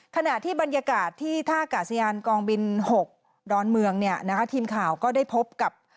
ขณะที่บรรยากาศที่ท่ากาศยานกองบิน๖ดอนเมืองเนี่ยนะคะทีมข่าวก็ได้พบกับ